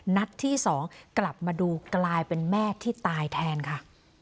นัดที่๒กลับมาดูกลายเป็นแม่ที่ตายแทนค่ะ